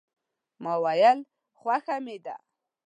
ما ویل خوښه مې ده.